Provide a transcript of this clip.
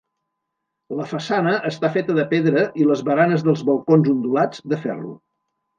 La façana està feta de pedra i les baranes dels balcons ondulats, de ferro.